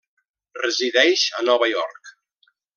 Resideix a Nova York.